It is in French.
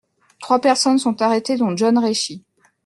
Trois personnes sont arrêtées, dont John Rechy.